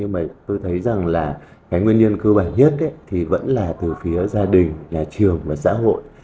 nhưng mà tôi thấy rằng là cái nguyên nhân cơ bản nhất thì vẫn là từ phía gia đình nhà trường và xã hội